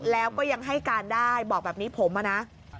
แล้วก็ยังให้การได้บอกแบบนี้ผมอะนะ